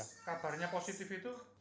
kabarnya positif itu